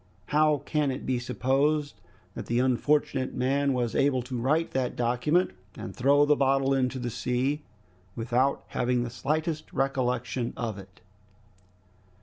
How can it be supposed that the unfortunate man was able to write that document and throw the bottle into the sea without having the slightest recollection of it?"